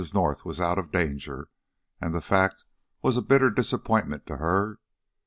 North was out of danger, and the fact was a bitter disappointment to her.